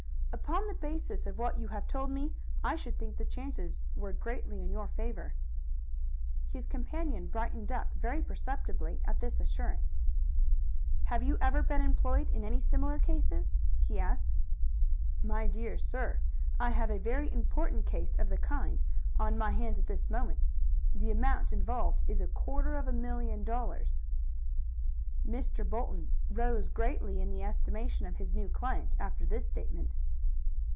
"Upon the basis of what you have told me I should think the chances were greatly in your favor." His companion brightened up very perceptibly at this assurance. "Have you ever been employed in any similar cases?" he asked. "My dear sir, I have a very important case of the kind on my hands at this moment. The amount involved is quarter of a million dollars." Mr. Bolton rose greatly in the estimation of his new client after this statement.